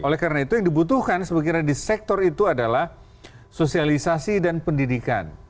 oleh karena itu yang dibutuhkan sebetulnya di sektor itu adalah sosialisasi dan pendidikan